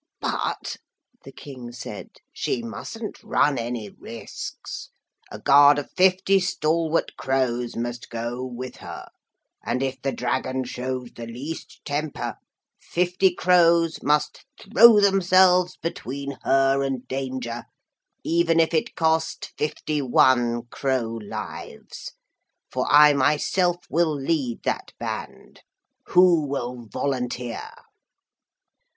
'But,' the King said, 'she mustn't run any risks. A guard of fifty stalwart crows must go with her, and if the dragon shows the least temper, fifty crows must throw themselves between her and danger, even if it cost fifty one crow lives. For I myself will lead that band. Who will volunteer?'